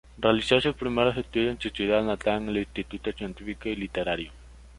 Realizó sus primeros estudios en su ciudad natal en el Instituto Científico y Literario.